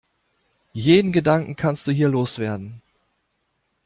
Jeden Gedanken kannst du hier loswerden.